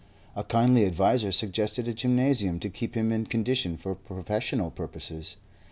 A kindly adviser suggested a gymnasium to keep him in condition for professional purposes.